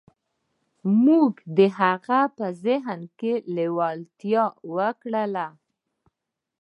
موږ د هغه په ذهن کې لېوالتیا وکرله.